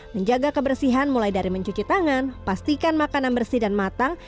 menjaga kebersihan mulai dari mencuci tangan pastikan makanan bersih dan matang